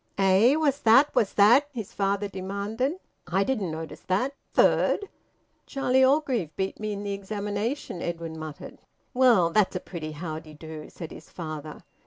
"Eh? What's that? What's that?" his father demanded. "I didn't notice that. Third?" "Charlie Orgreave beat me in the examination," Edwin muttered. "Well, that's a pretty how d'ye do!" said his father.